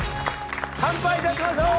乾杯いたしましょう！